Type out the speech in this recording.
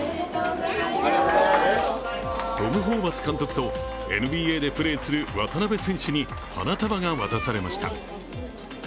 トム・ホーバス監督とＮＢＡでプレーする渡邊選手に花束が渡されました。